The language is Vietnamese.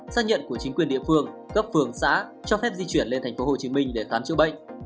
xác nhận của chính quyền địa phương cấp phường xã cho phép di chuyển lên thành phố hồ chí minh để khám chữa bệnh